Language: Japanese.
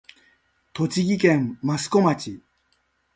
栃木県益子町